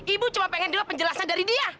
ibu cuma pengen jelaskan dari dia